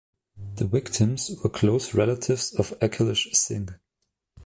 The victims were close relatives of Akhilesh Singh.